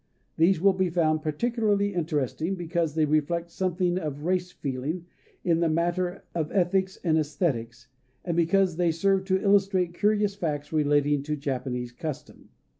These will be found particularly interesting, because they reflect something of race feeling in the matter of ethics and æsthetics, and because they serve to illustrate curious facts relating to Japanese custom.